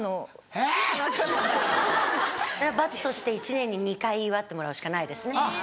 えぇ⁉罰として１年に２回祝ってもらうしかないですね。